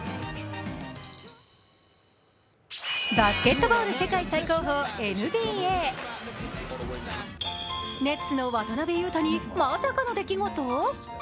バスケットボール世界最高峰ＮＢＡネッツの渡邊雄太にまさかの出来事？